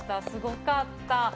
すごかった！